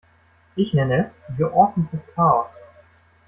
Ich nenne es geordnetes Chaos.